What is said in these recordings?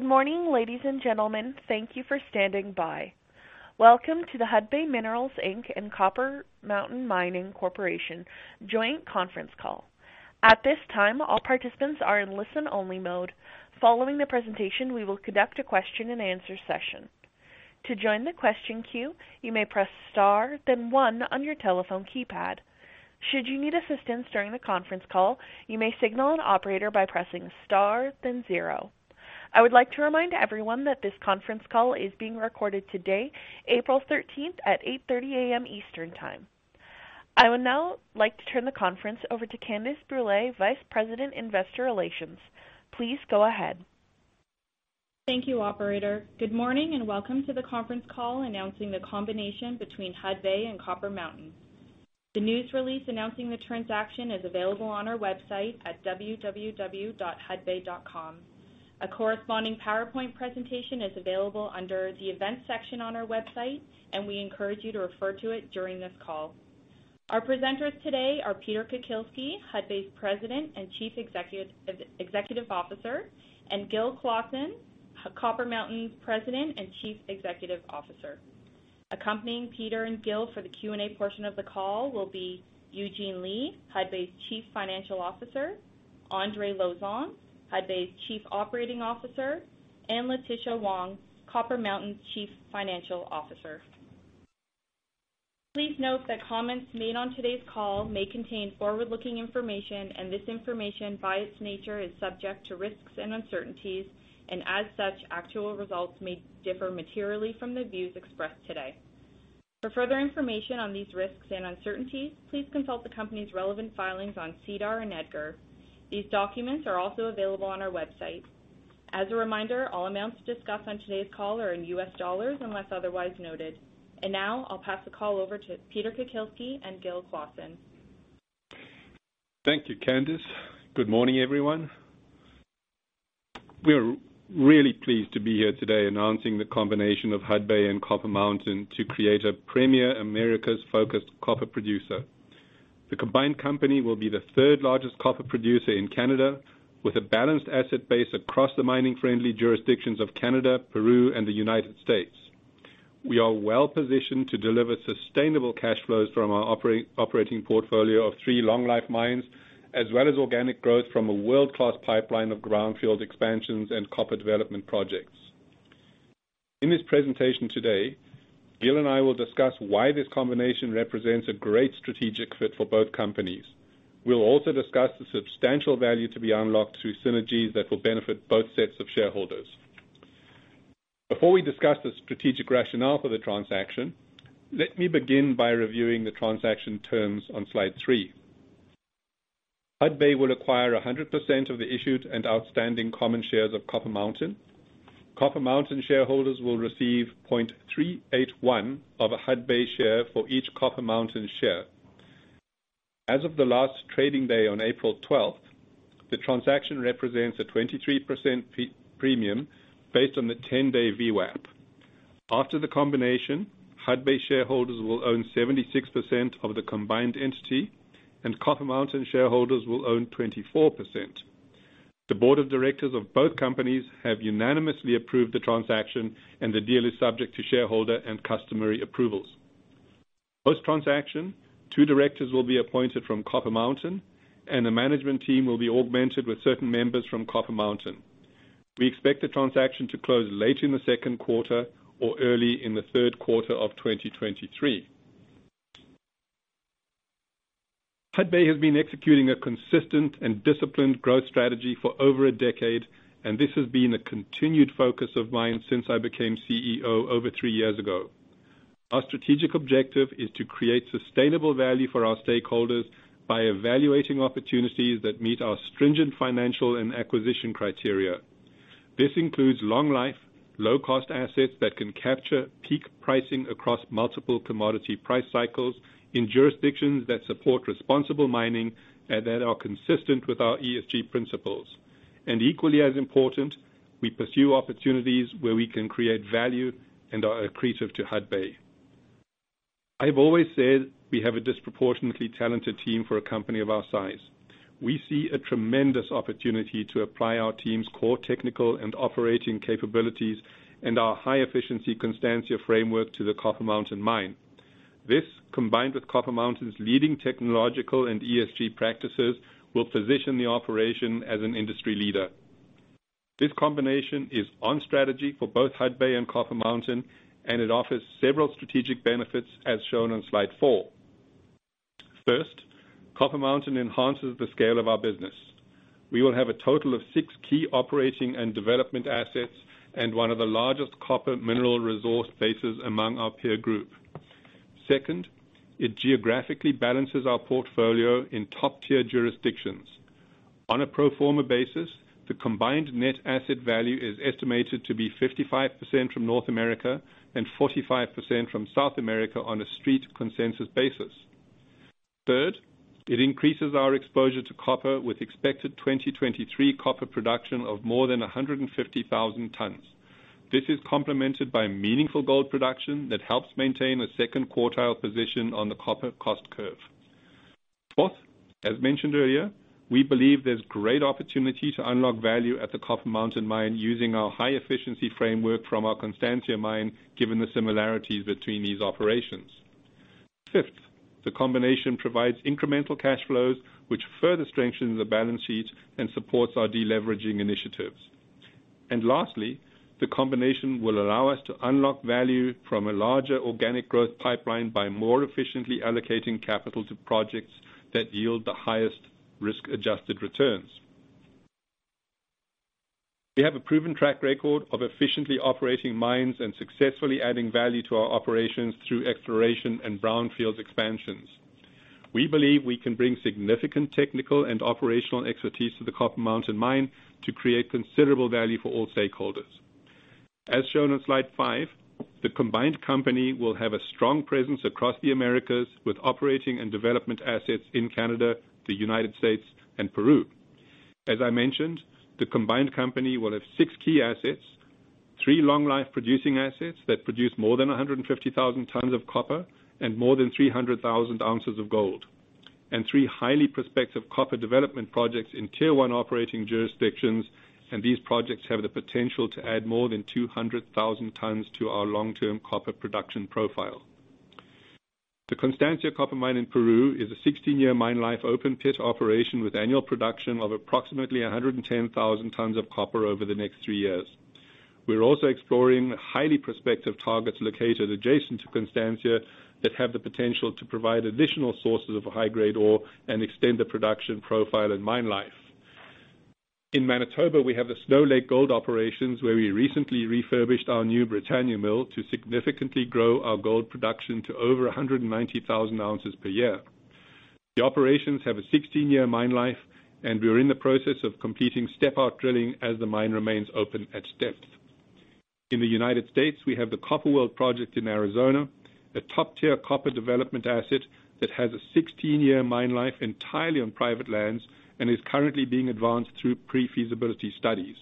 Good morning, ladies and gentlemen. Thank you for standing by. Welcome to the Hudbay Minerals Inc. and Copper Mountain Mining Corporation joint conference call. At this time, all participants are in listen-only mode. Following the presentation, we will conduct a question-and-answer session. To join the question queue, you may press star, then one on your telephone keypad. Should you need assistance during the conference call, you may signal an operator by pressing star, then zero. I would like to remind everyone that this conference call is being recorded today, April 13th, at 8:30 A.M. Eastern Time. I would now like to turn the conference over to Candace Brûlé, Vice President, Investor Relations. Please go ahead. Thank you, operator. Good morning and welcome to the conference call announcing the combination between Hudbay and Copper Mountain. The news release announcing the transaction is available on our website at www.hudbay.com. A corresponding PowerPoint presentation is available under the Events section on our website, and we encourage you to refer to it during this call. Our presenters today are Peter Kukielski, Hudbay's President and Chief Executive Officer, and Gil Clausen, Copper Mountain's President and Chief Executive Officer. Accompanying Peter and Gil for the Q&A portion of the call will be Eugene Lei, Hudbay's Chief Financial Officer, Andre Lauzon, Hudbay's Chief Operating Officer, and Letitia Wong, Copper Mountain's Chief Financial Officer. Please note that comments made on today's call may contain forward-looking information, and this information by its nature is subject to risks and uncertainties, and as such, actual results may differ materially from the views expressed today. For further information on these risks and uncertainties, please consult the company's relevant filings on SEDAR and EDGAR. These documents are also available on our website. As a reminder, all amounts discussed on today's call are in U.S. dollars unless otherwise noted. Now I'll pass the call over to Peter Kukielski and Gil Clausen. Thank you, Candace. Good morning, everyone. We are really pleased to be here today announcing the combination of Hudbay and Copper Mountain to create a premier Americas-focused copper producer. The combined company will be the third largest copper producer in Canada, with a balanced asset base across the mining-friendly jurisdictions of Canada, Peru, and the United States. We are well-positioned to deliver sustainable cash flows from our operating portfolio of three long life mines, as well as organic growth from a world-class pipeline of brownfield expansions and copper development projects. In this presentation today, Gil and I will discuss why this combination represents a great strategic fit for both companies. We'll also discuss the substantial value to be unlocked through synergies that will benefit both sets of shareholders. Before we discuss the strategic rationale for the transaction, let me begin by reviewing the transaction terms on slide three. Hudbay will acquire 100% of the issued and outstanding common shares of Copper Mountain. Copper Mountain shareholders will receive 0.381 of a Hudbay share for each Copper Mountain share. As of the last trading day on April 12th, the transaction represents a 23% premium based on the 10-day VWAP. After the combination, Hudbay shareholders will own 76% of the combined entity, and Copper Mountain shareholders will own 24%. The board of directors of both companies have unanimously approved the transaction, and the deal is subject to shareholder and customary approvals. Post-transaction, two directors will be appointed from Copper Mountain, and the management team will be augmented with certain members from Copper Mountain. We expect the transaction to close later in the second quarter or early in the third quarter of 2023. Hudbay has been executing a consistent and disciplined growth strategy for over a decade, and this has been a continued focus of mine since I became CEO over three years ago. Our strategic objective is to create sustainable value for our stakeholders by evaluating opportunities that meet our stringent financial and acquisition criteria. This includes long life, low cost assets that can capture peak pricing across multiple commodity price cycles in jurisdictions that support responsible mining and that are consistent with our ESG principles. Equally as important, we pursue opportunities where we can create value and are accretive to Hudbay. I've always said we have a disproportionately talented team for a company of our size. We see a tremendous opportunity to apply our team's core technical and operating capabilities and our high efficiency Constancia framework to the Copper Mountain Mine. This, combined with Copper Mountain's leading technological and ESG practices, will position the operation as an industry leader. This combination is on strategy for both Hudbay and Copper Mountain, and it offers several strategic benefits as shown on slide four. First, Copper Mountain enhances the scale of our business. We will have a total of six key operating and development assets and one of the largest copper mineral resource bases among our peer group. Second, it geographically balances our portfolio in top-tier jurisdictions. On a pro forma basis, the combined net asset value is estimated to be 55% from North America and 45% from South America on a street consensus basis. Third, it increases our exposure to copper with expected 2023 copper production of more than 150,000 tons. This is complemented by meaningful gold production that helps maintain a second quartile position on the copper cost curve. Fourth, as mentioned earlier, we believe there's great opportunity to unlock value at the Copper Mountain Mine using our high efficiency framework from our Constancia mine, given the similarities between these operations. Fifth, the combination provides incremental cash flows, which further strengthens the balance sheet and supports our deleveraging initiatives. Lastly, the combination will allow us to unlock value from a larger organic growth pipeline by more efficiently allocating capital to projects that yield the highest risk-adjusted returns. We have a proven track record of efficiently operating mines and successfully adding value to our operations through exploration and brownfield expansions. We believe we can bring significant technical and operational expertise to the Copper Mountain Mine to create considerable value for all stakeholders. As shown on slide five, the combined company will have a strong presence across the Americas, with operating and development assets in Canada, the United States and Peru. As I mentioned, the combined company will have six key assets, three long life producing assets that produce more than 150,000 tons of copper and more than 300,000 ounces of gold, and three highly prospective copper development projects in tier one operating jurisdictions, and these projects have the potential to add more than 200,000 tons to our long-term copper production profile. The Constancia copper mine in Peru is a 16-year mine life open pit operation with annual production of approximately 110,000 tons of copper over the next three years. We're also exploring highly prospective targets located adjacent to Constancia that have the potential to provide additional sources of high-grade ore and extend the production profile and mine life. In Manitoba, we have the Snow Lake gold operations, where we recently refurbished our New Britannia mill to significantly grow our gold production to over 190,000 ounces per year. The operations have a 16-year mine life, and we are in the process of completing step out drilling as the mine remains open at depth. In the United States, we have the Copper World project in Arizona, a top-tier copper development asset that has a 16-year mine life entirely on private lands and is currently being advanced through pre-feasibility studies.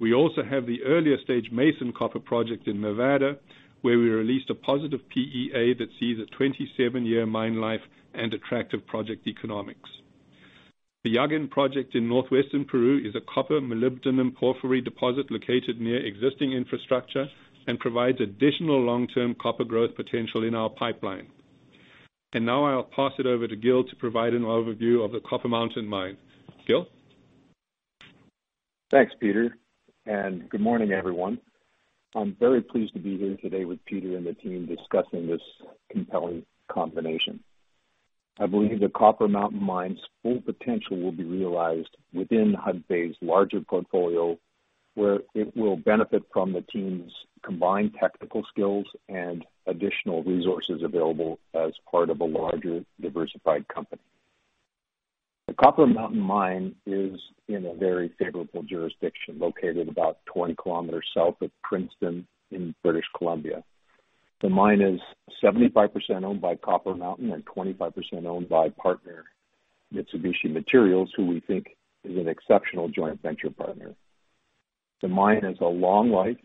We also have the earlier stage Mason Copper project in Nevada, where we released a positive PEA that sees a 27-year mine life and attractive project economics. The Llaguen project in northwestern Peru is a copper molybdenum porphyry deposit located near existing infrastructure and provides additional long-term copper growth potential in our pipeline. Now I'll pass it over to Gil to provide an overview of the Copper Mountain Mine. Gil? Thanks, Peter. Good morning, everyone. I'm very pleased to be here today with Peter and the team discussing this compelling combination. I believe the Copper Mountain Mine's full potential will be realized within Hudbay's larger portfolio, where it will benefit from the team's combined technical skills and additional resources available as part of a larger, diversified company. The Copper Mountain Mine is in a very favorable jurisdiction, located about 20 km south of Princeton in British Columbia. The mine is 75% owned by Copper Mountain and 25% owned by partner Mitsubishi Materials, who we think is an exceptional joint venture partner. The mine has a long life,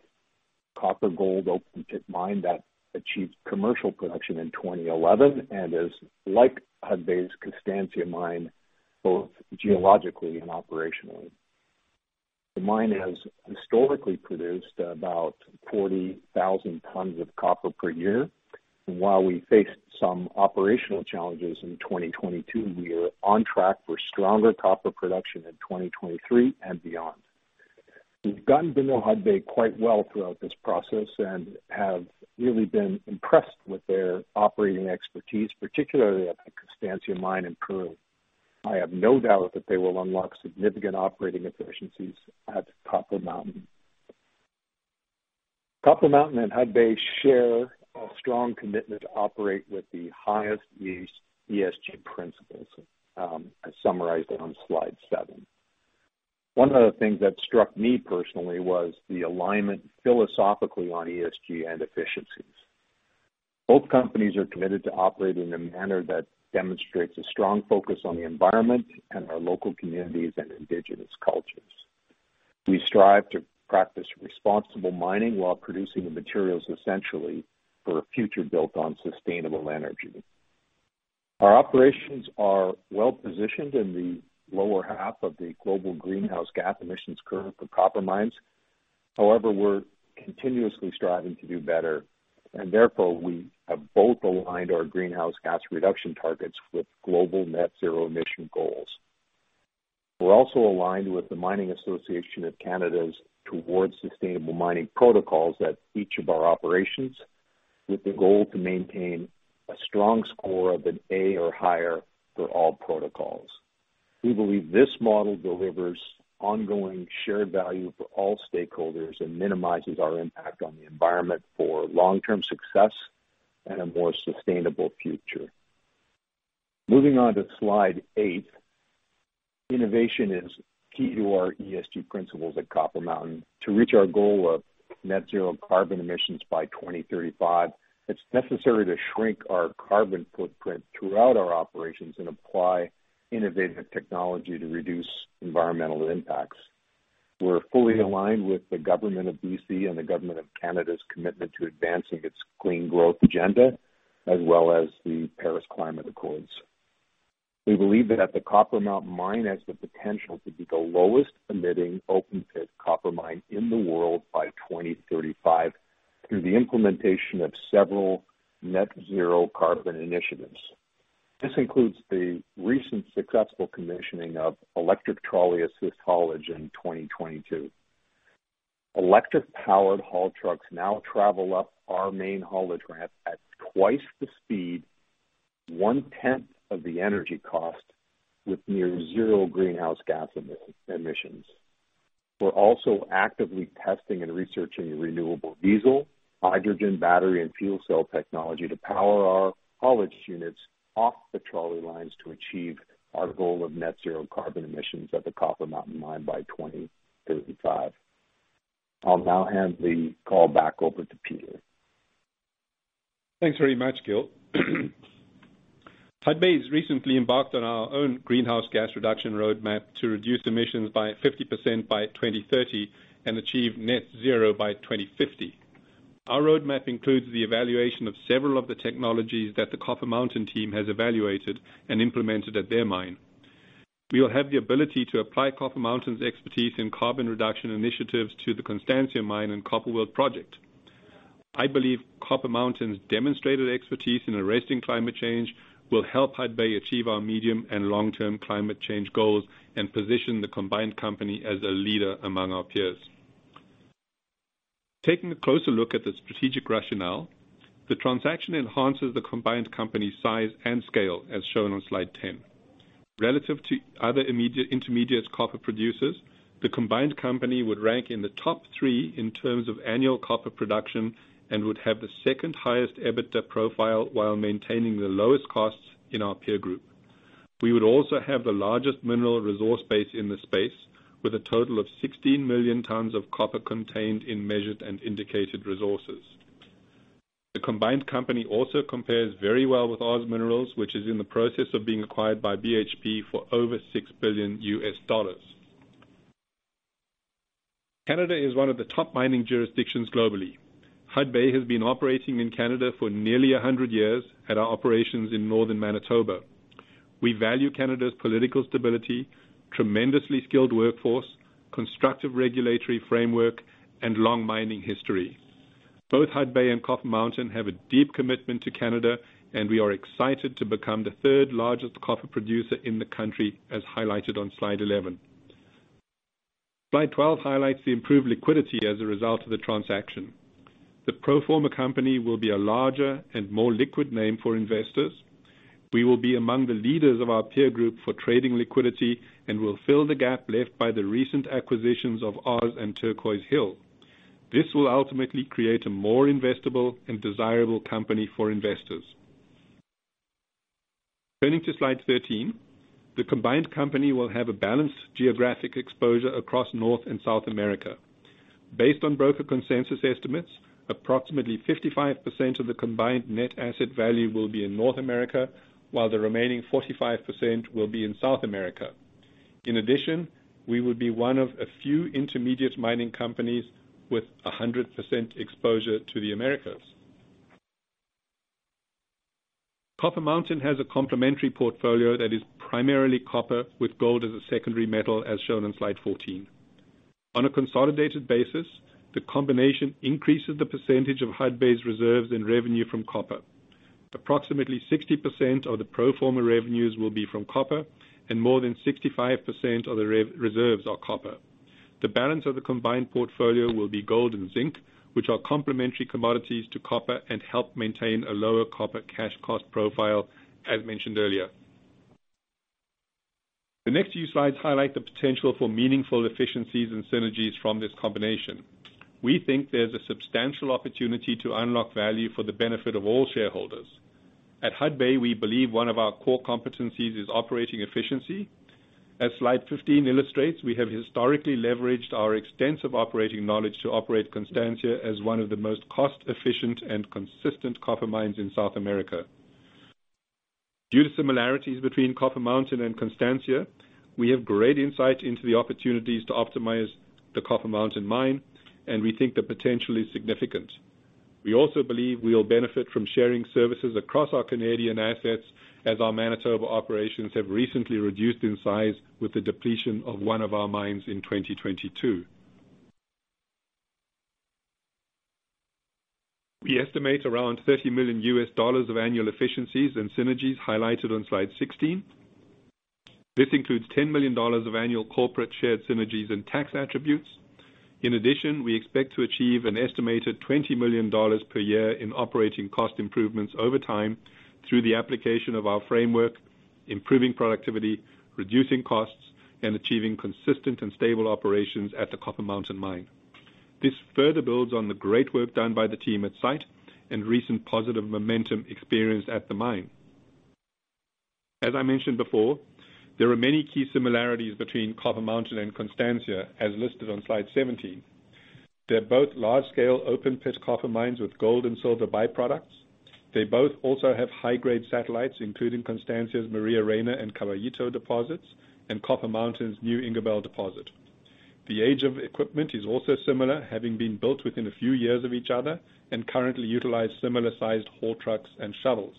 copper gold open pit mine that achieved commercial production in 2011 and is like Hudbay's Constancia mine, both geologically and operationally. The mine has historically produced about 40,000 tons of copper per year. While we faced some operational challenges in 2022, we are on track for stronger copper production in 2023 and beyond. We've gotten to know Hudbay quite well throughout this process and have really been impressed with their operating expertise, particularly at the Constancia mine in Peru. I have no doubt that they will unlock significant operating efficiencies at Copper Mountain. Copper Mountain and Hudbay share a strong commitment to operate with the highest ESG principles, as summarized on slide seven. One of the things that struck me personally was the alignment philosophically on ESG and efficiencies. Both companies are committed to operating in a manner that demonstrates a strong focus on the environment and our local communities and indigenous cultures. We strive to practice responsible mining while producing the materials essentially for a future built on sustainable energy. Our operations are well-positioned in the lower half of the global greenhouse gas emissions curve for copper mines. We're continuously striving to do better, and therefore we have both aligned our greenhouse gas reduction targets with global net zero emission goals. We're also aligned with the Mining Association of Canada's Towards Sustainable Mining protocols at each of our operations, with the goal to maintain a strong score of an A or higher for all protocols. We believe this model delivers ongoing shared value for all stakeholders and minimizes our impact on the environment for long-term success and a more sustainable future. Moving on to slide eight. Innovation is key to our ESG principles at Copper Mountain. To reach our goal of net zero carbon emissions by 2035, it's necessary to shrink our carbon footprint throughout our operations and apply innovative technology to reduce environmental impacts. We're fully aligned with the government of BC and the government of Canada's commitment to advancing its clean growth agenda, as well as the Paris Climate Accords. We believe that at the Copper Mountain Mine has the potential to be the lowest emitting open-pit copper mine in the world by 2035 through the implementation of several net zero carbon initiatives. This includes the recent successful commissioning of electric trolley assist haulage in 2022. Electric-powered haul trucks now travel up our main haulage ramp at twice the speed, 1/10 of the energy cost with near zero greenhouse gas emissions. We're also actively testing and researching renewable diesel, hydrogen battery and fuel cell technology to power our haulage units off the trolley lines to achieve our goal of net zero carbon emissions at the Copper Mountain Mine by 2035. I'll now hand the call back over to Peter. Thanks very much, Gil. Hudbay has recently embarked on our own greenhouse gas reduction roadmap to reduce emissions by 50% by 2030 and achieve net zero by 2050. Our roadmap includes the evaluation of several of the technologies that the Copper Mountain team has evaluated and implemented at their mine. We will have the ability to apply Copper Mountain's expertise in carbon reduction initiatives to the Constancia mine and Copper World Project. I believe Copper Mountain's demonstrated expertise in arresting climate change will help Hudbay achieve our medium and long-term climate change goals, and position the combined company as a leader among our peers. Taking a closer look at the strategic rationale, the transaction enhances the combined company size and scale, as shown on slide 10. Relative to other intermediate copper producers, the combined company would rank in the top three in terms of annual copper production and would have the second highest EBITDA profile while maintaining the lowest costs in our peer group. We would also have the largest mineral resource base in the space with a total of 16 million tons of copper contained in measured and indicated resources. The combined company also compares very well with OZ Minerals, which is in the process of being acquired by BHP for over $6 billion. Canada is one of the top mining jurisdictions globally. Hudbay has been operating in Canada for nearly 100 years at our operations in northern Manitoba. We value Canada's political stability, tremendously skilled workforce, constructive regulatory framework, and long mining history. Both Hudbay and Copper Mountain have a deep commitment to Canada, and we are excited to become the third-largest copper producer in the country, as highlighted on slide 11. Slide 12 highlights the improved liquidity as a result of the transaction. The pro forma company will be a larger and more liquid name for investors. We will be among the leaders of our peer group for trading liquidity and will fill the gap left by the recent acquisitions of OZ and Turquoise Hill. This will ultimately create a more investable and desirable company for investors. Turning to slide 13. The combined company will have a balanced geographic exposure across North and South America. Based on broker consensus estimates, approximately 55% of the combined net asset value will be in North America, while the remaining 45 will be in South America. In addition, we would be one of a few intermediate mining companies with 100% exposure to the Americas. Copper Mountain has a complementary portfolio that is primarily copper with gold as a secondary metal, as shown on slide 14. On a consolidated basis, the combination increases the percentage of Hudbay's reserves and revenue from copper. Approximately 60% of the pro forma revenues will be from copper, and more than 65% of the re-reserves are copper. The balance of the combined portfolio will be gold and zinc, which are complementary commodities to copper and help maintain a lower copper cash cost profile, as mentioned earlier. The next few slides highlight the potential for meaningful efficiencies and synergies from this combination. We think there's a substantial opportunity to unlock value for the benefit of all shareholders. At Hudbay, we believe one of our core competencies is operating efficiency. As slide 15 illustrates, we have historically leveraged our extensive operating knowledge to operate Constancia as one of the most cost-efficient and consistent copper mines in South America. Due to similarities between Copper Mountain and Constancia, we have great insight into the opportunities to optimize the Copper Mountain Mine. We think the potential is significant. We also believe we'll benefit from sharing services across our Canadian assets as our Manitoba operations have recently reduced in size with the depletion of one of our mines in 2022. We estimate around $30 million of annual efficiencies and synergies highlighted on slide 16. This includes $10 million of annual corporate shared synergies and tax attributes. In addition, we expect to achieve an estimated $20 million per year in operating cost improvements over time through the application of our framework, improving productivity, reducing costs, and achieving consistent and stable operations at the Copper Mountain Mine. This further builds on the great work done by the team at site and recent positive momentum experience at the mine. As I mentioned before, there are many key similarities between Copper Mountain and Constancia, as listed on slide 17. They're both large-scale open pit copper mines with gold and silver byproducts. They both also have high-grade satellites, including Constancia's Maria Reina and Caballito deposits and Copper Mountain's New Ingerbelle deposit. The age of equipment is also similar, having been built within a few years of each other and currently utilize similar-sized haul trucks and shuttles.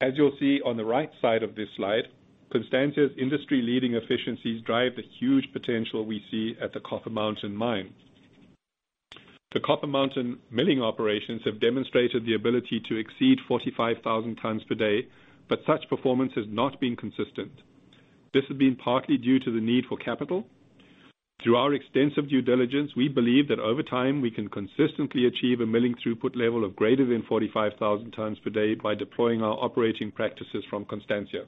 As you'll see on the right side of this slide, Constancia's industry-leading efficiencies drive the huge potential we see at the Copper Mountain Mine. The Copper Mountain milling operations have demonstrated the ability to exceed 45,000 tons per day, but such performance has not been consistent. This has been partly due to the need for capital. Through our extensive due diligence, we believe that over time, we can consistently achieve a milling throughput level of greater than 45,000 tons per day by deploying our operating practices from Constancia.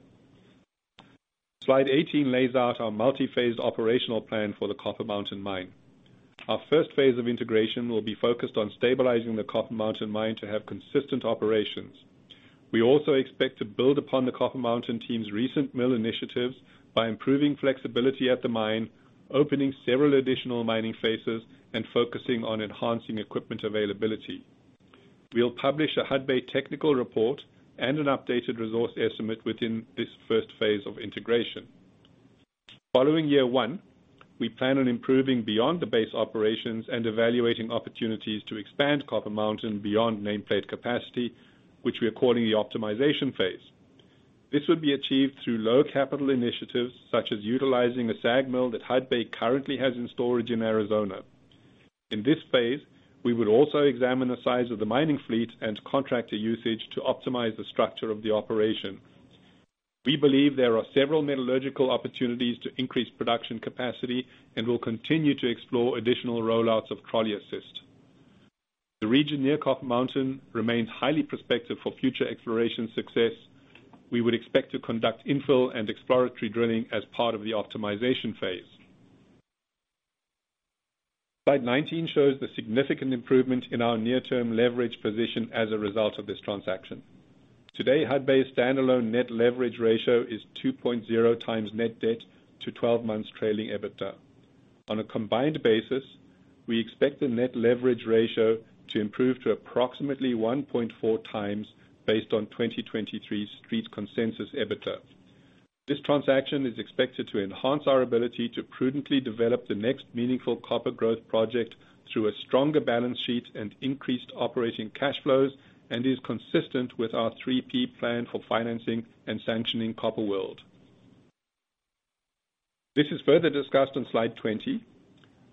Slide 18 lays out our multi-phase operational plan for the Copper Mountain Mine. Our first phase of integration will be focused on stabilizing the Copper Mountain Mine to have consistent operations. We also expect to build upon the Copper Mountain team's recent mill initiatives by improving flexibility at the mine, opening several additional mining phases, and focusing on enhancing equipment availability. We'll publish a Hudbay technical report and an updated resource estimate within this first phase of integration. Following year one, we plan on improving beyond the base operations and evaluating opportunities to expand Copper Mountain beyond nameplate capacity, which we are calling the optimization phase. This would be achieved through low capital initiatives, such as utilizing a SAG mill that Hudbay currently has in storage in Arizona. In this phase, we would also examine the size of the mining fleet and contractor usage to optimize the structure of the operation. We believe there are several metallurgical opportunities to increase production capacity, and we'll continue to explore additional rollouts of trolley assist. The region near Copper Mountain remains highly prospective for future exploration success. We would expect to conduct infill and exploratory drilling as part of the optimization phase. Slide 19 shows the significant improvement in our near-term leverage position as a result of this transaction. Today, Hudbay's standalone net leverage ratio is 2.0x net debt to 12 months trailing EBITDA. On a combined basis, we expect the net leverage ratio to improve to approximately 1.4x based on 2023 street consensus EBITDA. This transaction is expected to enhance our ability to prudently develop the next meaningful copper growth project through a stronger balance sheet and increased operating cash flows, and is consistent with our 3P plan for financing and sanctioning Copper World. This is further discussed on slide 20.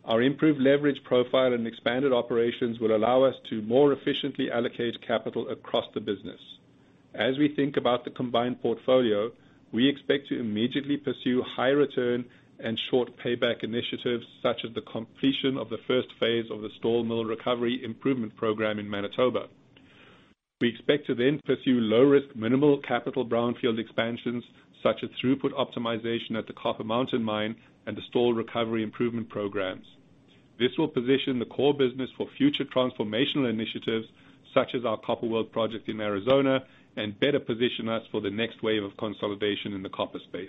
Our improved leverage profile and expanded operations will allow us to more efficiently allocate capital across the business. As we think about the combined portfolio, we expect to immediately pursue high return and short payback initiatives, such as the completion of the first phase of the Stall mill recovery improvement program in Manitoba. We expect to pursue low risk, minimal capital brownfield expansions such as throughput optimization at the Copper Mountain Mine and the Stall recovery improvement programs. This will position the core business for future transformational initiatives such as our Copper World project in Arizona and better position us for the next wave of consolidation in the copper space.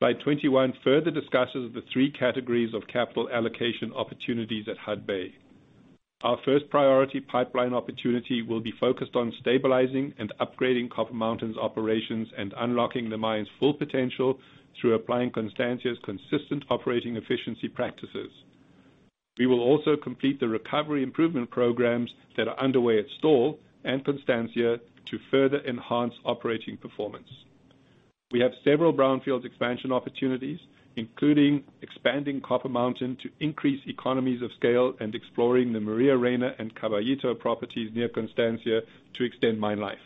Slide 21 further discusses the three categories of capital allocation opportunities at Hudbay. Our first priority pipeline opportunity will be focused on stabilizing and upgrading Copper Mountain's operations and unlocking the mine's full potential through applying Constancia's consistent operating efficiency practices. We will also complete the recovery improvement programs that are underway at Stall and Constancia to further enhance operating performance. We have several brownfield expansion opportunities, including expanding Copper Mountain to increase economies of scale and exploring the Maria Reina and Caballito properties near Constancia to extend mine life.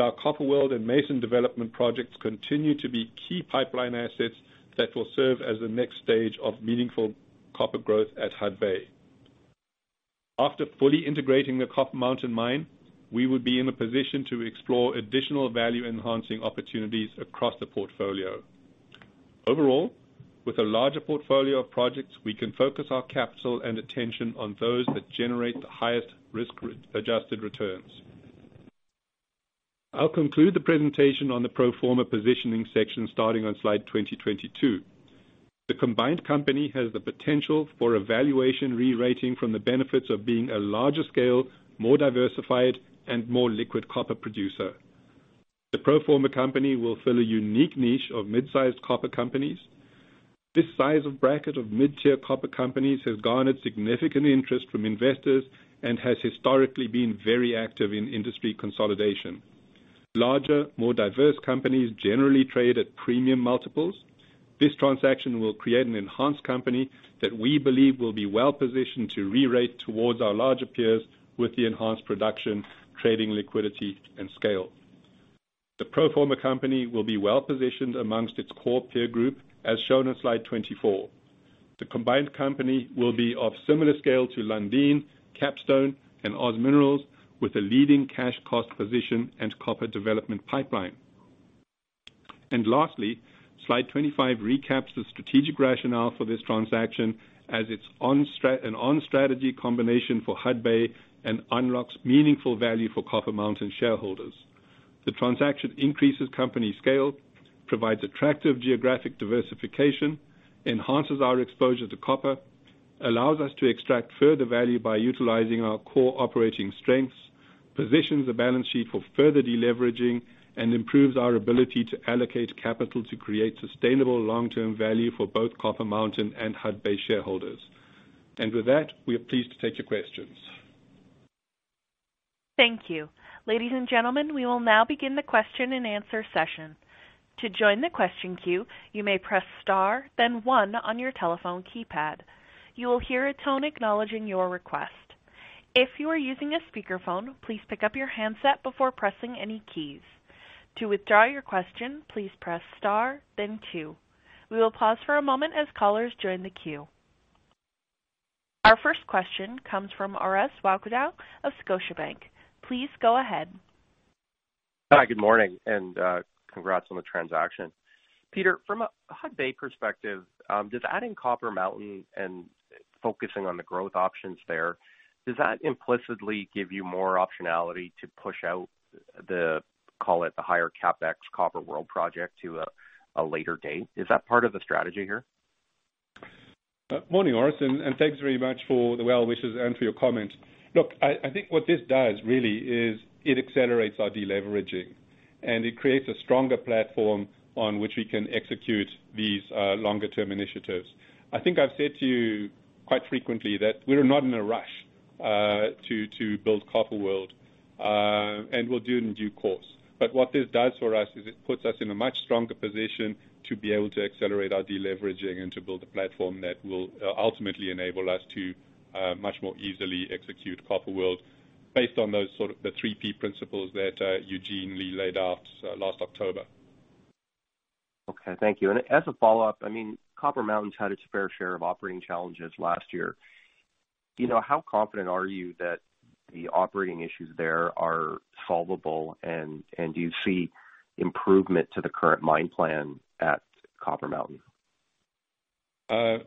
Our Copper World and Mason development projects continue to be key pipeline assets that will serve as the next stage of meaningful copper growth at Hudbay. After fully integrating the Copper Mountain Mine, we would be in a position to explore additional value-enhancing opportunities across the portfolio. Overall, with a larger portfolio of projects, we can focus our capital and attention on those that generate the highest risk-adjusted returns. I'll conclude the presentation on the pro forma positioning section starting on slide 22. The combined company has the potential for a valuation re-rating from the benefits of being a larger scale, more diversified, and more liquid copper producer. The pro forma company will fill a unique niche of mid-sized copper companies. This size of bracket of mid-tier copper companies has garnered significant interest from investors and has historically been very active in industry consolidation. Larger, more diverse companies generally trade at premium multiples. This transaction will create an enhanced company that we believe will be well-positioned to re-rate towards our larger peers with the enhanced production, trading liquidity, and scale. The pro forma company will be well-positioned amongst its core peer group, as shown in slide 24. The combined company will be of similar scale to Lundin, Capstone, and OZ Minerals, with a leading cash cost position and copper development pipeline. Lastly, slide 25 recaps the strategic rationale for this transaction as its an on-strategy combination for Hudbay and unlocks meaningful value for Copper Mountain shareholders. The transaction increases company scale, provides attractive geographic diversification, enhances our exposure to copper, allows us to extract further value by utilizing our core operating strengths, positions the balance sheet for further deleveraging, and improves our ability to allocate capital to create sustainable long-term value for both Copper Mountain and Hudbay shareholders. With that, we are pleased to take your questions. Thank you. Ladies and gentlemen, we will now begin the question-and-answer session. To join the question queue, you may press star then one on your telephone keypad. You will hear a tone acknowledging your request. If you are using a speakerphone, please pick up your handset before pressing any keys. To withdraw your question, please press star then two. We will pause for a moment as callers join the queue. Our first question comes from Orest Wowkodaw of Scotiabank. Please go ahead. Hi, good morning, and congrats on the transaction. Peter, from a Hudbay perspective, does adding Copper Mountain and focusing on the growth options there, does that implicitly give you more optionality to push out the, call it, the higher CapEx Copper World project to a later date? Is that part of the strategy here? Morning, Orest, and thanks very much for the well wishes and for your comment. Look, I think what this does really is it accelerates our deleveraging, and it creates a stronger platform on which we can execute these longer term initiatives. I think I've said to you quite frequently that we're not in a rush to build Copper World, and we'll do it in due course. What this does for us is it puts us in a much stronger position to be able to accelerate our deleveraging and to build a platform that will ultimately enable us to much more easily execute Copper World based on those sort of the 3P principles that Eugene Lei laid out last October. Okay. Thank you. As a follow-up, I mean, Copper Mountain had its fair share of operating challenges last year. You know, how confident are you that the operating issues there are solvable, and do you see improvement to the current mine plan at Copper Mountain? Orest,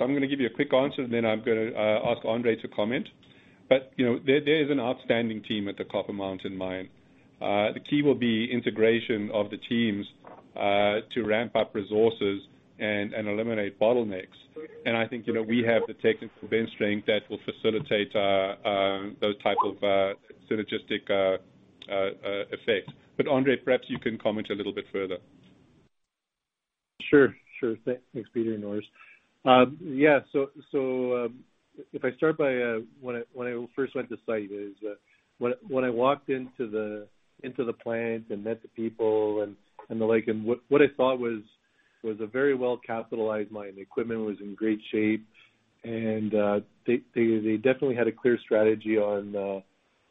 I'm gonna give you a quick answer, and then I'm gonna ask Andre to comment. You know, there is an outstanding team at the Copper Mountain Mine. The key will be integration of the teams to ramp up resources and eliminate bottlenecks. I think, you know, we have the technical bench strength that will facilitate those type of synergistic effect. Andre, perhaps you can comment a little bit further. Sure. Sure. Thanks, Peter and Orest. Yeah, if I start by when I first went to site, when I walked into the plant and met the people and the like, what I thought was a very well-capitalized mine. The equipment was in great shape. They definitely had a clear strategy on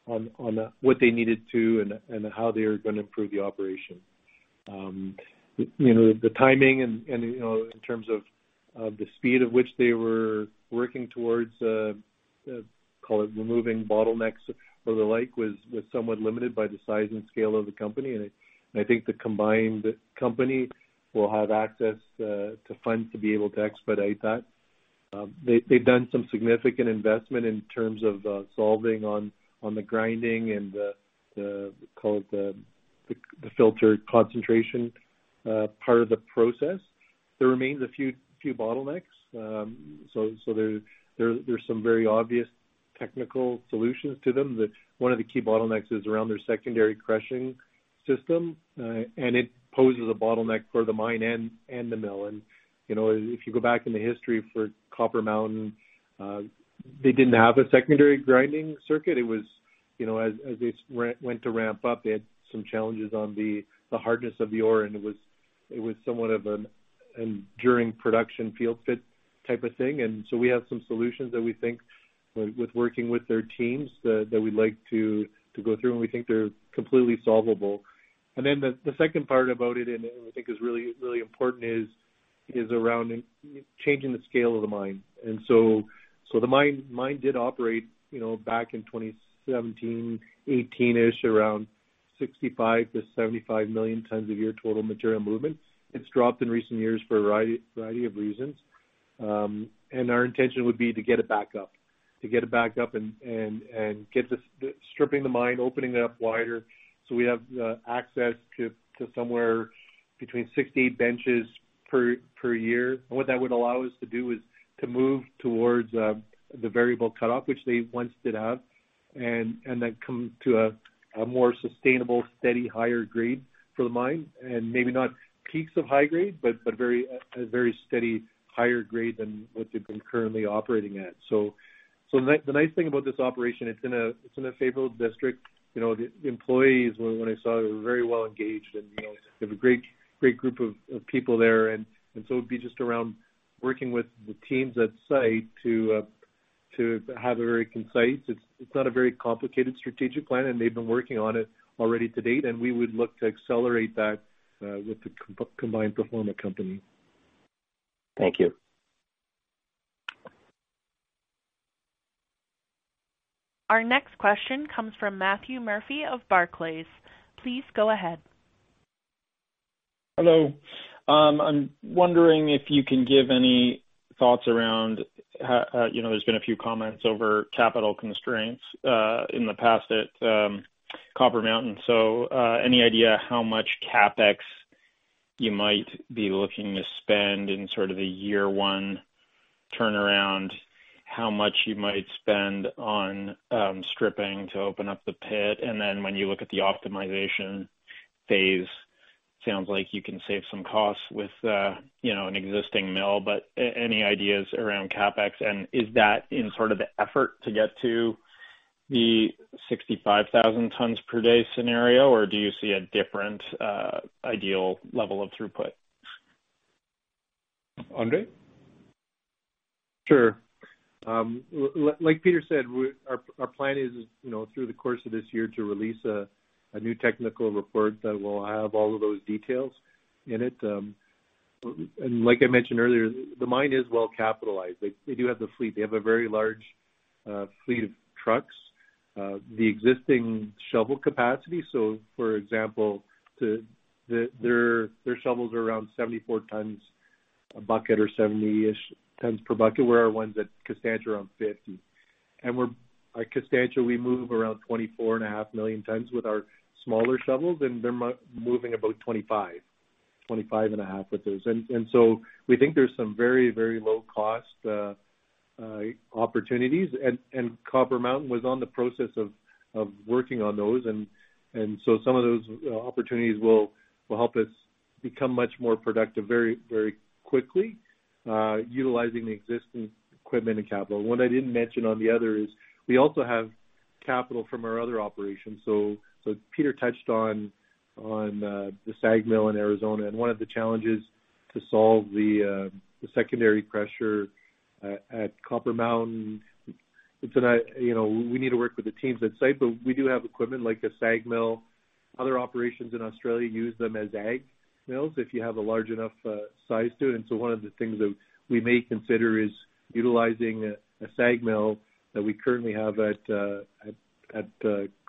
what they needed to and how they're gonna improve the operation. You know, the timing and, you know, in terms of the speed at which they were working towards call it removing bottlenecks or the like, was somewhat limited by the size and scale of the company. I think the combined company will have access to funds to be able to expedite that. They've done some significant investment in terms of solving on the grinding and the filter concentration part of the process. There remains a few bottlenecks. There's some very obvious technical solutions to them. One of the key bottlenecks is around their secondary crushing system, and it poses a bottleneck for the mine and the mill. You know, if you go back in the history for Copper Mountain, they didn't have a secondary grinding circuit. It was, you know, as they went to ramp up, they had some challenges on the hardness of the ore, and it was somewhat of an enduring production field fit type of thing. We have some solutions that we think with working with their teams that we'd like to go through, and we think they're completely solvable. Then the second part about it, and I think is really, really important is around changing the scale of the mine. The mine did operate, you know, back in 2017, 2018-ish, around 65 million-75 million tons a year, total material movement. It's dropped in recent years for a variety of reasons. Our intention would be to get it back up and get the stripping the mine, opening it up wider so we have access to somewhere between 6-8 benches per year. What that would allow us to do is to move towards the variable cutoff, which they once did have, and then come to a more sustainable, steady, higher grade for the mine. Maybe not peaks of high grade, but very, a very steady, higher grade than what they've been currently operating at. The nice thing about this operation, it's in a, it's in a favorable district. You know, the employees, when I saw, they were very well engaged and, you know, they have a great group of people there. So it'd be just around working with the teams at site to have a very concise. It's not a very complicated strategic plan, and they've been working on it already to-date, and we would look to accelerate that with the combined performant company. Thank you. Our next question comes from Matthew Murphy of Barclays. Please go ahead. Hello. I'm wondering if you can give any thoughts around how, you know, there's been a few comments over capital constraints in the past at Copper Mountain. Any idea how much CapEx you might be looking to spend in sort of a year one turnaround, how much you might spend on stripping to open up the pit. Then when you look at the optimization phase, sounds like you can save some costs with, you know, an existing mill, but any ideas around CapEx, and is that in sort of the effort to get to the 65,000 tons per day scenario, or do you see a different ideal level of throughput? Andre? Sure. Like Peter said, our plan is, you know, through the course of this year to release a new technical report that will have all of those details in it. Like I mentioned earlier, the mine is well capitalized. They do have the fleet. They have a very large fleet of trucks. The existing shovel capacity, so for example, their shovels are around 74 tons a bucket or 70-ish tons per bucket, where our ones at Constancia are around 50. At Constancia, we move around 24.5 million tons with our smaller shovels, and they're moving about 25 million tons, 25.5 million tons with those. We think there's some very, very low cost opportunities. Copper Mountain was on the process of working on those. Some of those opportunities will help us become much more productive very, very quickly, utilizing the existing equipment and capital. One I didn't mention on the other is we also have capital from our other operations. Peter touched on the SAG mill in Arizona, and one of the challenges to solve the secondary pressure at Copper Mountain, it's an, you know. We need to work with the teams on site, but we do have equipment like a SAG mill. Other operations in Australia use them as AG mills if you have a large enough size to it. One of the things that we may consider is utilizing a SAG mill that we currently have at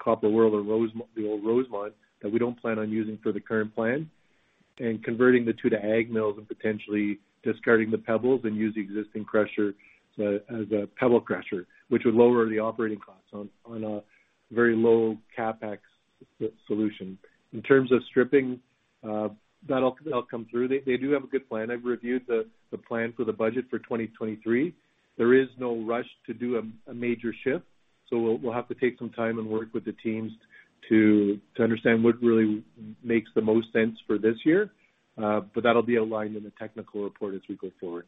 Copper World or the old Rosemont that we don't plan on using for the current plan, and converting the two to AG mills and potentially discarding the pebbles and use the existing crusher as a pebble crusher, which would lower the operating costs on a very low CapEx solution. In terms of stripping, that'll come through. They do have a good plan. I've reviewed the plan for the budget for 2023. There is no rush to do a major shift, we'll have to take some time and work with the teams to understand what really makes the most sense for this year. That'll be outlined in the technical report as we go forward.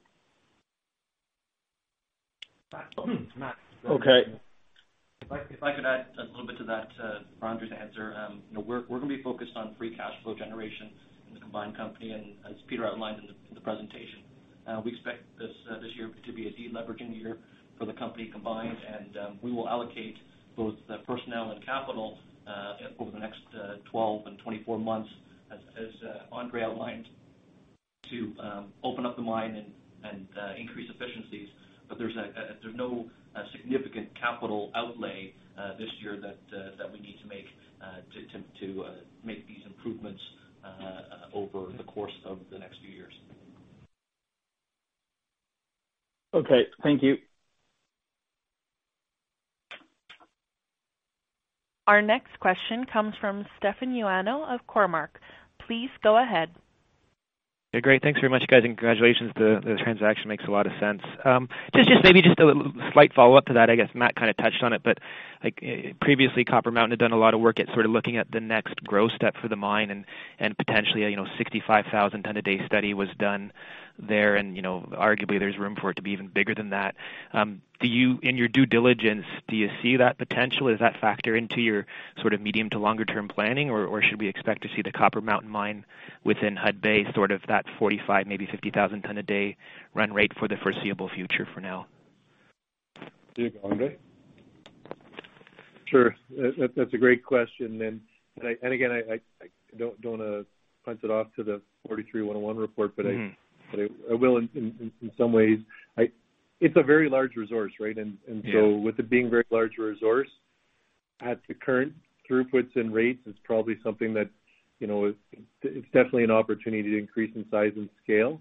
Matt. Okay. If I could add a little bit to that for Andre's answer. You know, we're gonna be focused on free cash flow generation in the combined company. As Peter outlined in the presentation, we expect this year to be a de-leveraging year for the company combined. We will allocate both the personnel and capital over the next 12 and 24 months, as Andre outlined, to open up the mine and increase efficiencies. There's no significant capital outlay this year that we need to make to make these improvements over the course of the next few years. Okay, thank you. Our next question comes from Stefan Ioannou of Cormark. Please go ahead. Yeah, great. Thanks very much, guys, and congratulations. The transaction makes a lot of sense. Just maybe just a slight follow-up to that, I guess Matt kind of touched on it, but like previously, Copper Mountain had done a lot of work at sort of looking at the next growth step for the mine and, potentially, you know, 65,000 ton a day study was done there. You know, arguably there's room for it to be even bigger than that. In your due diligence, do you see that potential? Does that factor into your sort of medium to longer term planning, or should we expect to see the Copper Mountain mine within Hudbay, sort of that 45, maybe 50,000 ton a day run rate for the foreseeable future for now? There you go, Andre. Sure. That's a great question. I don't wanna punt it off to the NI 43-101 report, but I will in some ways. It's a very large resource, right? Yeah. With it being very large resource, at the current throughputs and rates, it's probably something that, you know, it's definitely an opportunity to increase in size and scale.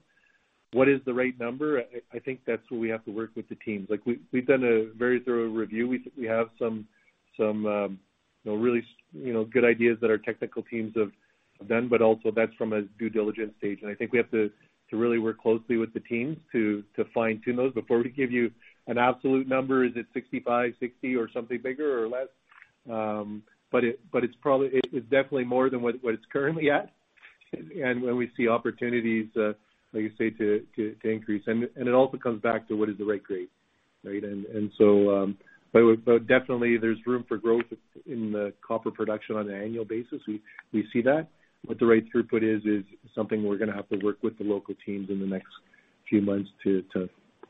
What is the right number? I think that's where we have to work with the teams. Like, we've done a very thorough review. We have some, you know, really good ideas that our technical teams have done, but also that's from a due diligence stage. I think we have to really work closely with the teams to fine-tune those before we give you an absolute number. Is it 65, 60, or something bigger or less? But it's probably... It's definitely more than what it's currently at. When we see opportunities, like you say, to increase. It also comes back to what is the right grade, right? Definitely there's room for growth in the copper production on an annual basis. We see that. What the right throughput is something we're gonna have to work with the local teams in the next few months to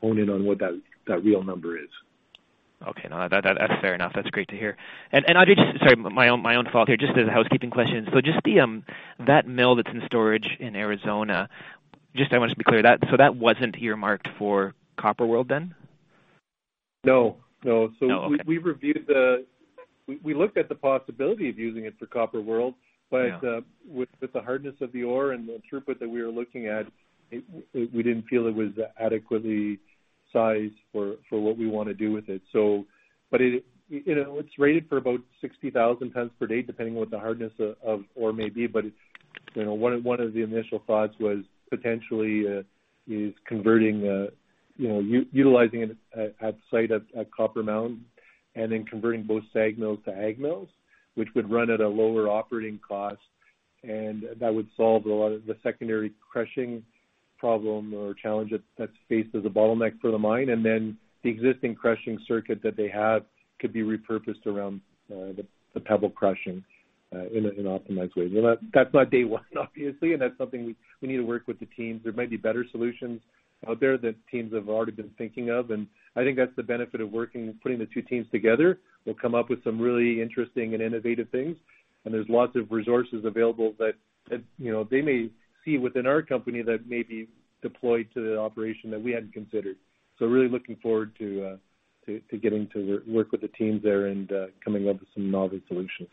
hone in on what that real number is. Okay. No, that's fair enough. That's great to hear. I did... Just sorry, my own fault here. Just as a housekeeping question. Just the that mill that's in storage in Arizona, just I wanted to be clear, that wasn't earmarked for Copper World then? No, no. No, okay. We looked at the possibility of using it for Copper World. Yeah. With the hardness of the ore and the throughput that we were looking at, we didn't feel it was adequately sized for what we wanna do with it. It, you know, it's rated for about 60,000 tons per day, depending on what the hardness of ore may be. You know, one of the initial thoughts was potentially is converting, you know, utilizing it at site at Copper Mountain, and then converting both SAG mills to AG mills, which would run at a lower operating cost, and that would solve a lot of the secondary crushing problem or challenge that's faced as a bottleneck for the mine. The existing crushing circuit that they have could be repurposed around the pebble crushing in an optimized way. Well, that's not day one obviously. That's something we need to work with the teams. There might be better solutions out there that teams have already been thinking of. I think that's the benefit of working, putting the two teams together. We'll come up with some really interesting and innovative things. There's lots of resources available that, you know, they may see within our company that may be deployed to the operation that we hadn't considered. Really looking forward to getting to work with the teams there and coming up with some novel solutions.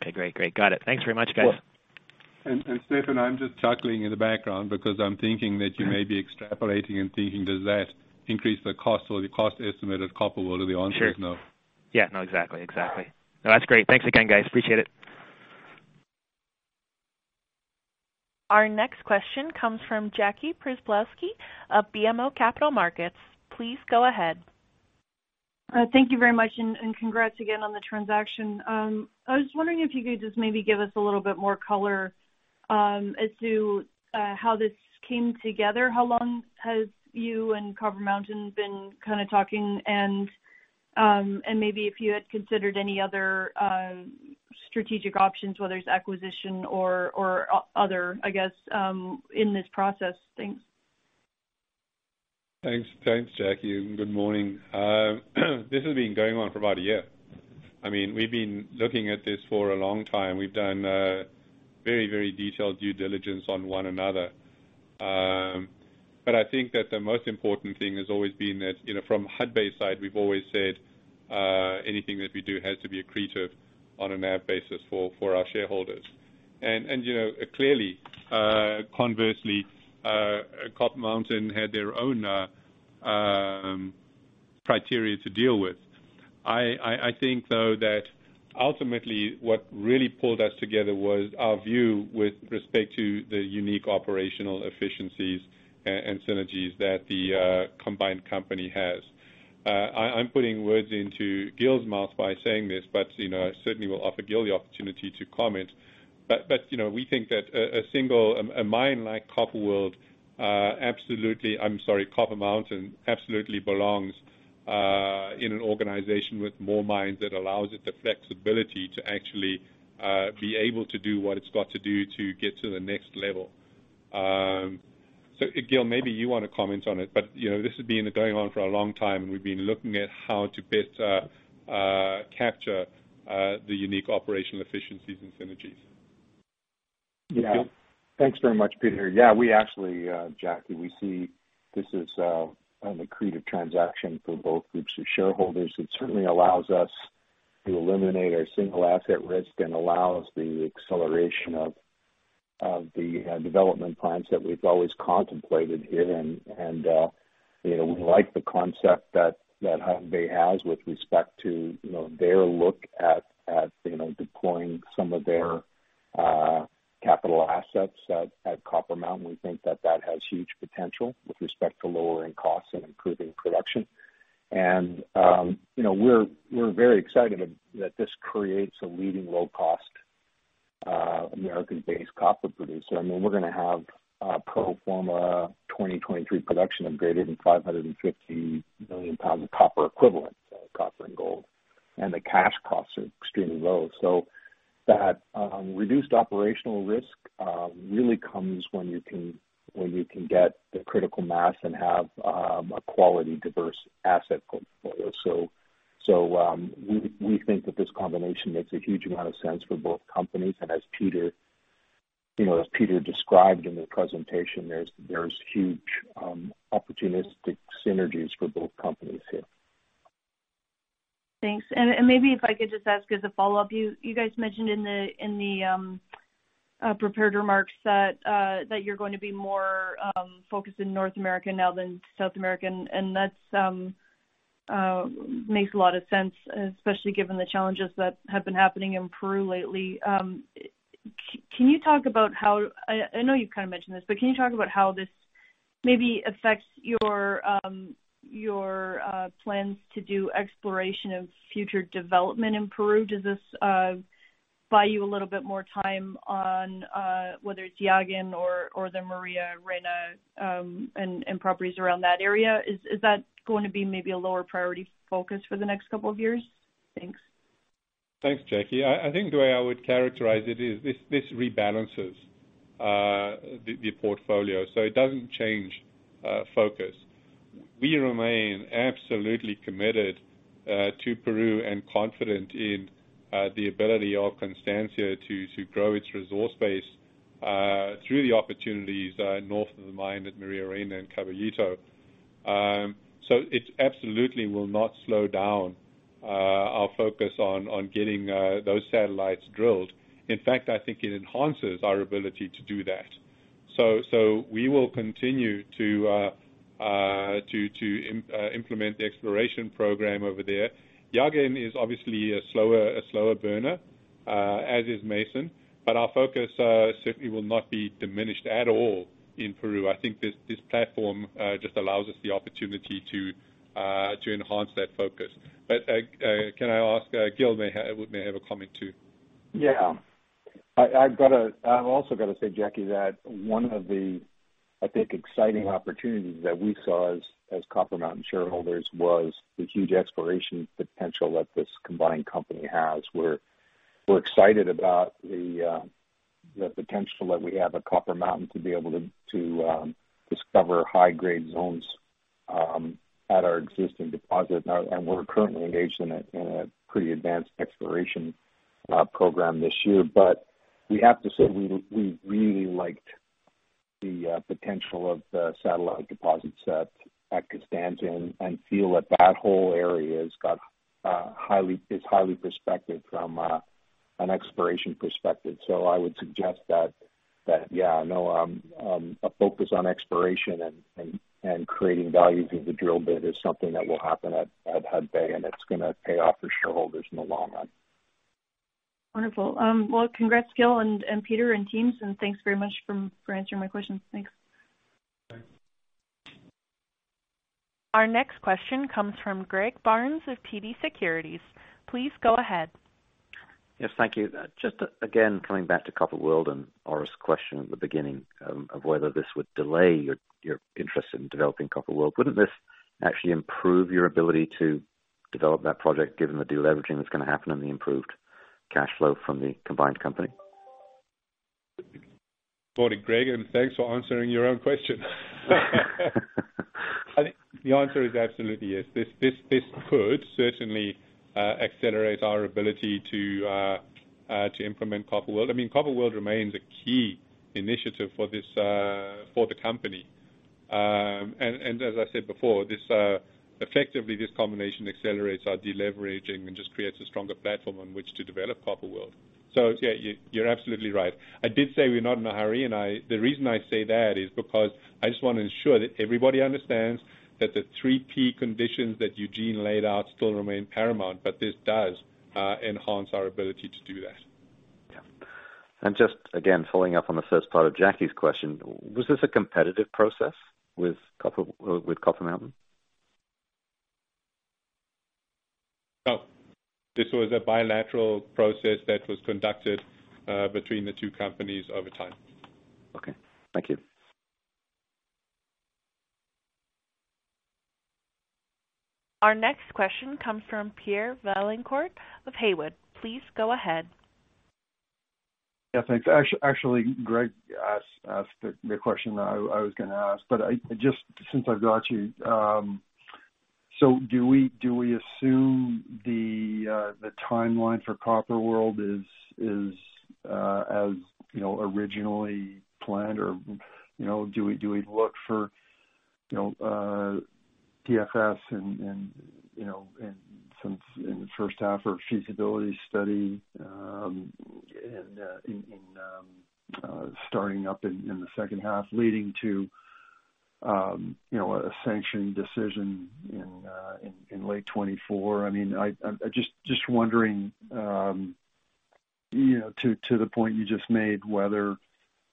Okay, great. Got it. Thanks very much, guys. Yeah. Stefan, I'm just chuckling in the background because I'm thinking that you may be extrapolating and thinking, does that increase the cost or the cost estimate of Copper World? The answer is no. Sure. Yeah, no, exactly. No, that's great. Thanks again, guys. Appreciate it. Our next question comes from Jackie Przybylowski of BMO Capital Markets. Please go ahead. Thank you very much. Congrats again on the transaction. I was just wondering if you could just maybe give us a little bit more color as to how this came together. How long has you and Copper Mountain been kinda talking? Maybe if you had considered any other strategic options, whether it's acquisition or other, I guess, in this process. Thanks. Thanks. Thanks, Jackie. Good morning. This has been going on for about a year. I mean, we've been looking at this for a long time. We've done very detailed due diligence on one another. I think that the most important thing has always been that, you know, from Hudbay's side, we've always said, anything that we do has to be accretive on a NAV basis for our shareholders. You know, clearly, conversely, Copper Mountain had their own criteria to deal with. I think, though, that ultimately what really pulled us together was our view with respect to the unique operational efficiencies and synergies that the combined company has. I'm putting words into Gil's mouth by saying this, you know, I certainly will offer Gil the opportunity to comment. You know, we think that a single mine like Copper World, absolutely, I'm sorry, Copper Mountain absolutely belongs in an organization with more mines that allows it the flexibility to actually be able to do what it's got to do to get to the next level. Gil, maybe you wanna comment on it, but, you know, this has been going on for a long time, and we've been looking at how to best capture the unique operational efficiencies and synergies. Yeah. Gil? Thanks very much, Peter. Yeah, we actually, Jackie, we see this is an accretive transaction for both groups of shareholders. It certainly allows us to eliminate our single asset risk and allows the acceleration of the development plans that we've always contemplated here. You know, we like the concept that Hudbay has with respect to, you know, their look at, you know, deploying some of their capital assets at Copper Mountain. We think that that has huge potential with respect to lowering costs and improving production. You know, we're very excited that this creates a leading low cost, American-based copper producer. I mean, we're gonna have a pro forma 2023 production of greater than 550 million pounds of copper equivalent, copper and gold, and the cash costs are extremely low. That reduced operational risk really comes when you can get the critical mass and have a quality diverse asset portfolio. We think that this combination makes a huge amount of sense for both companies. As Peter, you know, as Peter described in the presentation, there's huge opportunistic synergies for both companies here. Thanks. Maybe if I could just ask as a follow-up, you guys mentioned in the prepared remarks that you're going to be more focused in North America now than South America, and that makes a lot of sense, especially given the challenges that have been happening in Peru lately. Can you talk about how... I know you've kinda mentioned this, but can you talk about how this maybe affects your plans to do exploration of future development in Peru? Does this buy you a little bit more time on whether it's Llaguen or the Maria Reina and properties around that area? Is that going to be maybe a lower priority focus for the next couple of years? Thanks. Thanks, Jackie. I think the way I would characterize it is this rebalances the portfolio, so it doesn't change focus. We remain absolutely committed to Peru and confident in the ability of Constancia to grow its resource base through the opportunities north of the mine at Maria Reina and Caballito. It absolutely will not slow down our focus on getting those satellites drilled. In fact, I think it enhances our ability to do that. We will continue to implement the exploration program over there. Llaguen is obviously a slower burner, as is Mason, but our focus certainly will not be diminished at all in Peru. I think this platform just allows us the opportunity to enhance that focus. Can I ask, Gil may have a comment too. I've also gotta say, Jackie, that one of the, I think, exciting opportunities that we saw as Copper Mountain shareholders was the huge exploration potential that this combined company has, where we're excited about the potential that we have at Copper Mountain to be able to discover high-grade zones at our existing deposit. Now, we're currently engaged in a pretty advanced exploration program this year. We have to say, we really liked the potential of the satellite deposits at Constancia and feel that that whole area has got is highly prospective from an exploration perspective. I would suggest that, yeah, no, a focus on exploration and creating value through the drill bit is something that will happen at Hudbay, and it's gonna pay off for shareholders in the long run. Wonderful. congrats, Gil and Peter and teams, and thanks very much for answering my questions. Thanks. Our next question comes from Greg Barnes of TD Securities. Please go ahead. Yes, thank you. Just, again, coming back to Copper World and Orest's question at the beginning of whether this would delay your interest in developing Copper World. Wouldn't this actually improve your ability to develop that project given the deleveraging that's gonna happen and the improved cash flow from the combined company? Morning, Greg, and thanks for answering your own question. I think the answer is absolutely yes. This could certainly accelerate our ability to implement Copper World. I mean, Copper World remains a key initiative for the company. As I said before, effectively, this combination accelerates our deleveraging and just creates a stronger platform on which to develop Copper World. Yeah, you're absolutely right. I did say we're not in a hurry, and the reason I say that is because I just wanna ensure that everybody understands that the three key conditions that Eugene laid out still remain paramount, but this does enhance our ability to do that. Yeah. Just again, following up on the first part of Jackie's question, was this a competitive process with Copper Mountain? No. This was a bilateral process that was conducted between the two companies over time. Okay. Thank you. Our next question comes from Pierre Vaillancourt of Haywood. Please go ahead. Yeah, thanks. Actually, Greg asked the question that I was gonna ask. Just since I've got you, do we assume the timeline for Copper World is as, you know, originally planned? You know, do we look for, you know, PFS and, you know, and some in the first half or feasibility study, and in starting up in the second half leading to, you know, a sanction decision in late 2024? I mean, I'm just wondering, you know, to the point you just made, whether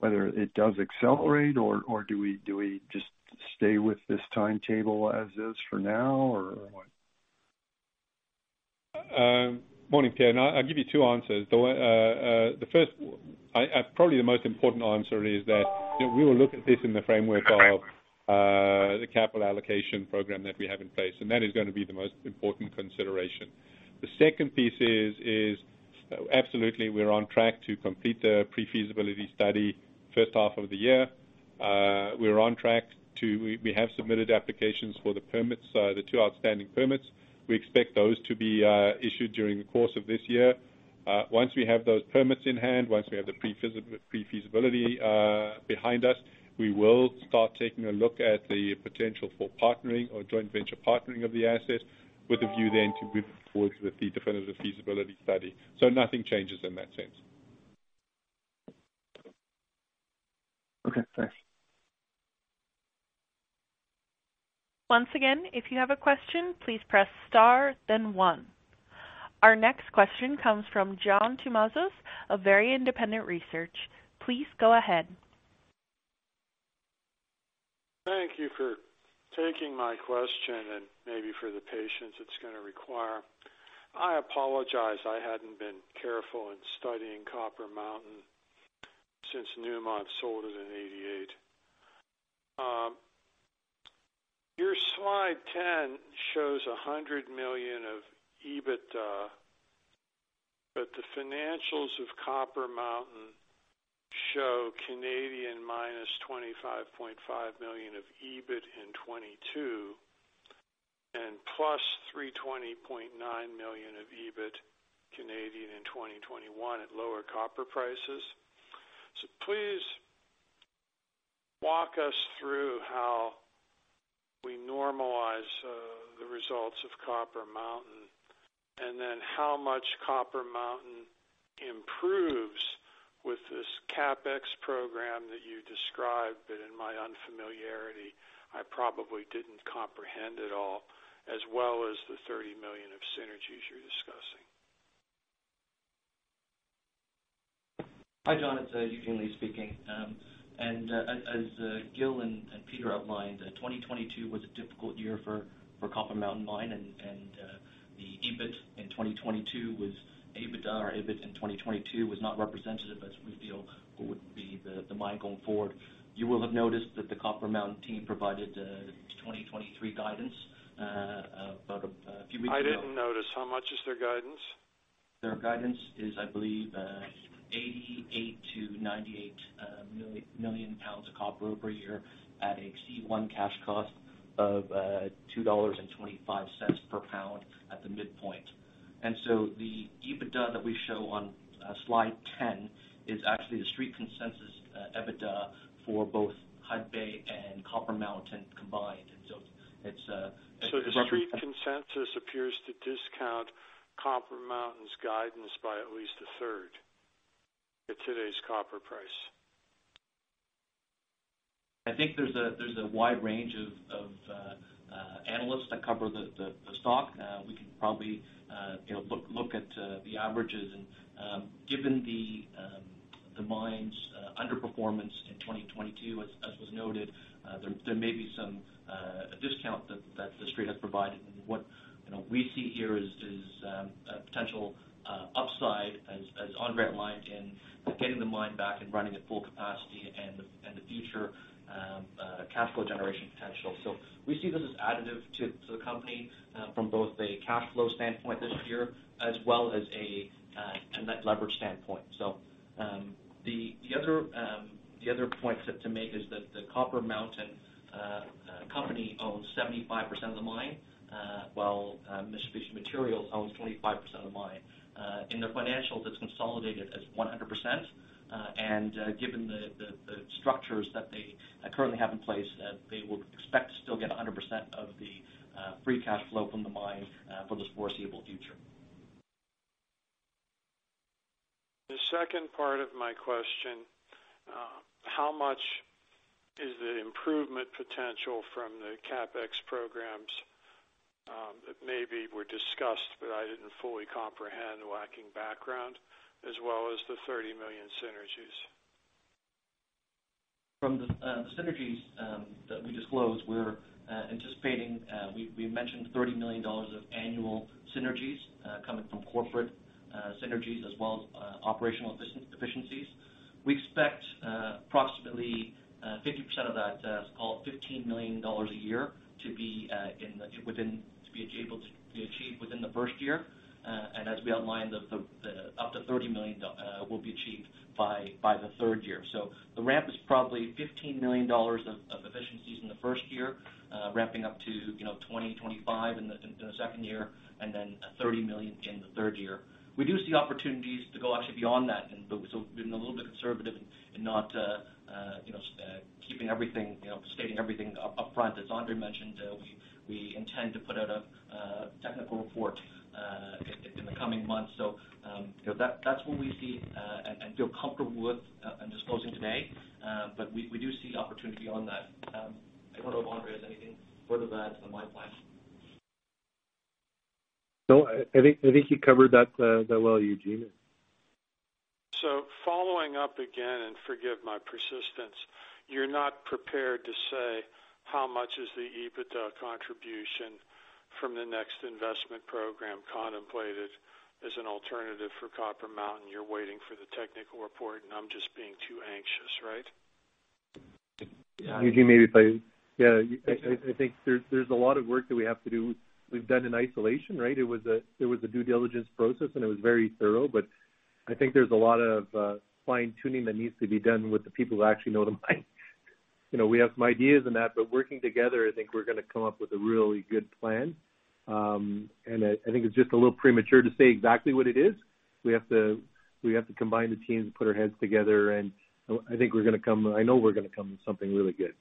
it does accelerate or do we just stay with this timetable as is for now or what? Morning, Pierre. I'll give you two answers. The first, probably the most important answer is that we will look at this in the framework of the capital allocation program that we have in place, that is gonna be the most important consideration. The second piece is absolutely we're on track to complete the pre-feasibility study first half of the year. We're on track to we have submitted applications for the permits, the two outstanding permits. We expect those to be issued during the course of this year. Once we have those permits in hand, once we have the pre-feasibility behind us, we will start taking a look at the potential for partnering or joint venture partnering of the assets with a view then to move forward with the definitive feasibility study. Nothing changes in that sense. Okay, thanks. Once again, if you have a question, please press star then one. Our next question comes from John Tumazos of Very Independent Research. Please go ahead. Thank you for taking my question and maybe for the patience it's gonna require. I apologize, I hadn't been careful in studying Copper Mountain since Newmont sold it in 1988. Your slide 10 shows $100 million of EBITDA, but the financials of Copper Mountain show -25.5 million of EBIT in 2022 and CAD +320.9 million of EBIT in 2021 at lower copper prices. Please walk us through how we normalize the results of Copper Mountain, and then how much Copper Mountain improves with this CapEx program that you described, but in my unfamiliarity, I probably didn't comprehend at all, as well as the $30 million of synergies you're discussing. Hi, John. It's Eugene Lei speaking. As Gil and Peter outlined, 2022 was a difficult year for Copper Mountain Mine and the EBITDA or EBIT in 2022 was not representative as we feel what would be the mine going forward. You will have noticed that the Copper Mountain team provided 2023 guidance about a few weeks ago. I didn't notice. How much is their guidance? Their guidance is, I believe, 88 million-98 million pounds of copper per year at a C1 cash cost of $2.25 per pound at the midpoint. The EBITDA that we show on slide 10 is actually the street consensus EBITDA for both Hudbay and Copper Mountain combined. It's roughly. Street consensus appears to discount Copper Mountain's guidance by at least 1/3 at today's copper price. I think there's a wide range of analysts that cover the stock. We can probably, you know, look at the averages. Given the mine's underperformance in 2022 as was noted, there may be some discount that the street has provided. What, you know, we see here is a potential upside as Andre outlined in getting the mine back and running at full capacity and the future cash flow generation potential. We see this as additive to the company from both a cash flow standpoint this year as well as a net leverage standpoint. The other point to make is that Copper Mountain owns 75% of the mine, while Mitsubishi Materials owns 25% of the mine. In their financials, it's consolidated as 100%. Given the structures that they currently have in place, they will expect to still get 100% of the free cash flow from the mine for this foreseeable future. The second part of my question, how much is the improvement potential from the CapEx programs, that maybe were discussed but I didn't fully comprehend lacking background, as well as the $30 million synergies? From the synergies that we disclosed, we're anticipating we mentioned $30 million of annual synergies coming from corporate synergies as well as operational efficiencies. We expect approximately 50% of that, so call it $15 million a year to be within, to be able to be achieved within the first year. As we outlined, the up to $30 million will be achieved by the third year. The ramp is probably $15 million of efficiencies in the first year, ramping up to, you know, $20 million-$25 million in the second year, and then $30 million in the third year. We do see opportunities to go actually beyond that. We've been a little bit conservative in not, you know, keeping everything, you know, stating everything upfront. As Andre mentioned, we intend to put out a technical report in the coming months. You know, that's what we see and feel comfortable with in disclosing today. We do see opportunity on that. I don't know if Andre has anything further to add on the mine plan. I think you covered that well, Eugene. Following up again, and forgive my persistence, you're not prepared to say how much is the EBITDA contribution from the next investment program contemplated as an alternative for Copper Mountain. You're waiting for the technical report and I'm just being too anxious, right? Eugene if I. I think there's a lot of work that we have to do. We've done an isolation, right? It was a due diligence process, and it was very thorough, but I think there's a lot of fine-tuning that needs to be done with the people who actually know the mine. You know, we have some ideas on that, but working together, I think we're gonna come up with a really good plan. I think it's just a little premature to say exactly what it is. We have to combine the teams, put our heads together, and I know we're gonna come with something really good.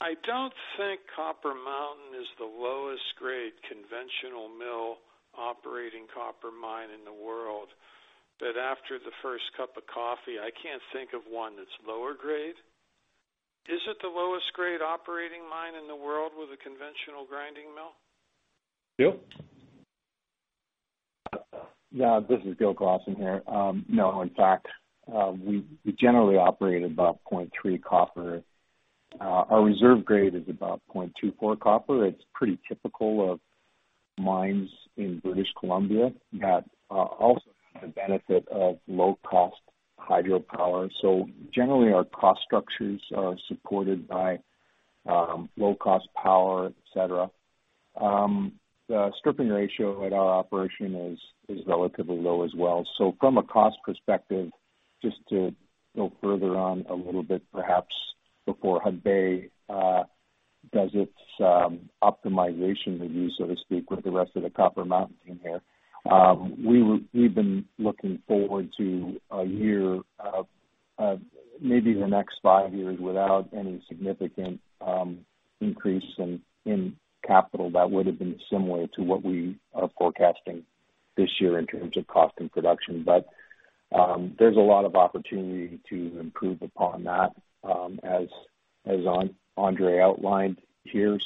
I don't think Copper Mountain is the lowest grade conventional mill operating copper mine in the world, but after the first cup of coffee, I can't think of one that's lower grade. Is it the lowest grade operating mine in the world with a conventional grinding mill? Gil? Yeah. This is Gil Clausen here. No. In fact, we generally operate about 0.3% copper. Our reserve grade is about 0.24% copper. It's pretty typical of mines in British Columbia that also have the benefit of low cost hydropower. Generally, our cost structures are supported by low cost power, et cetera. The stripping ratio at our operation is relatively low as well. From a cost perspective, just to go further on a little bit perhaps before Hudbay does its optimization review, so to speak, with the rest of the Copper Mountain here. We've been looking forward to a year of maybe the next five years without any significant increase in capital that would have been similar to what we are forecasting this year in terms of cost and production. There's a lot of opportunity to improve upon that, as Andre outlined here.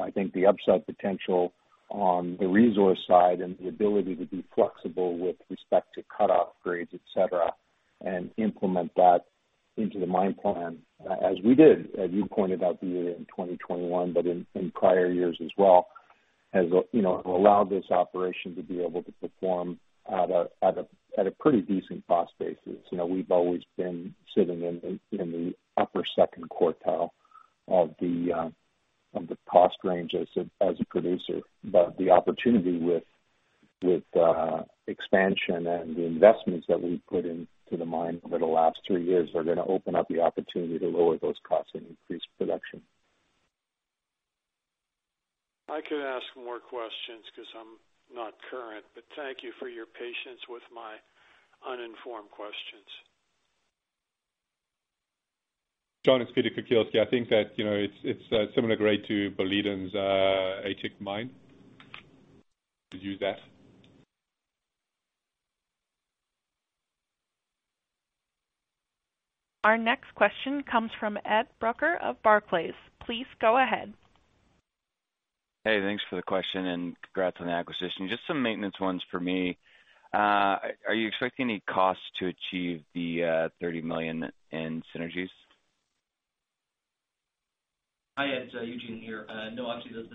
I think the upside potential on the resource side and the ability to be flexible with respect to cut off grades, et cetera, and implement that into the mine plan, as we did, as you pointed out, the year in 2021, but in prior years as well, has, you know, allowed this operation to be able to perform at a pretty decent cost basis. You know, we've always been sitting in the upper second quartile of the cost range as a producer. The opportunity with expansion and the investments that we've put into the mine over the last three years are gonna open up the opportunity to lower those costs and increase production. I could ask more questions because I'm not current, but thank you for your patience with my uninformed questions. John, it's Peter Kukielski. I think that, you know, it's a similar grade to Boliden's Aitik mine. To use that. Our next question comes from Ed Brucker of Barclays. Please go ahead. Hey, thanks for the question and congrats on the acquisition. Just some maintenance ones for me. Are you expecting any costs to achieve the $30 million in synergies? Hi, Ed. It's Eugene here. No, actually, this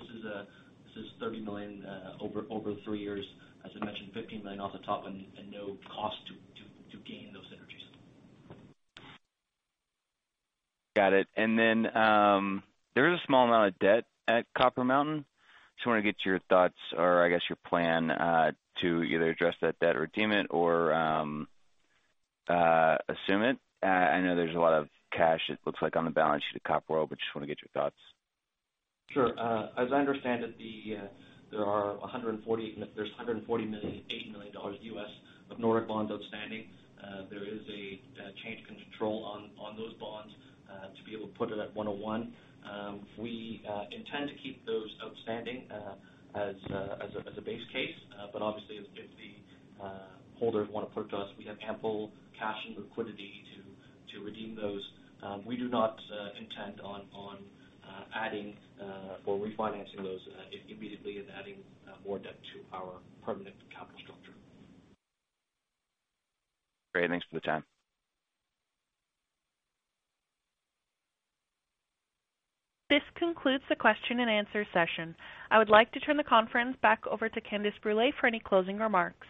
is $30 million over three years. As I mentioned, $15 million off the top and no cost to gain those synergies. Got it. There is a small amount of debt at Copper Mountain. Just wanna get your thoughts or I guess your plan to either address that debt or redeem it or assume it. I know there's a lot of cash it looks like on the balance sheet at Copper World, but just wanna get your thoughts. Sure. As I understand it, there's $80 million of Nordic bonds outstanding. There is a change in control on those bonds to be able to put it at 101. We intend to keep those outstanding as a base case. Obviously, if the holders wanna put it to us, we have ample cash and liquidity to redeem those. We do not intend on adding or refinancing those immediately and adding more debt to our permanent capital structure. Great. Thanks for the time. This concludes the question-and-answer session. I would like to turn the conference back over to Candace Brûlé for any closing remarks.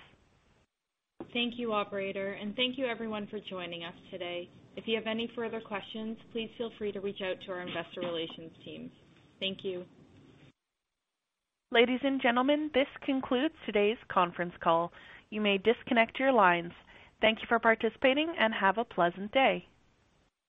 Thank you, operator, and thank you everyone for joining us today. If you have any further questions, please feel free to reach out to our investor relations teams. Thank you. Ladies and gentlemen, this concludes today's conference call. You may disconnect your lines. Thank you for participating, and have a pleasant day.